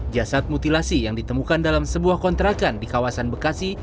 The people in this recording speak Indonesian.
jasad mutilasi yang ditemukan dalam sebuah kontrakan di kawasan bekasi